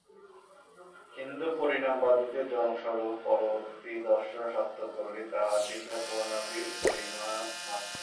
তিনি হিন্দু পরিণামবাদিগণের জনক-স্বরূপ, পরবর্তী দর্শন-শাস্ত্রগুলি তাঁহারই চিন্তাপ্রণালীর পরিণাম মাত্র।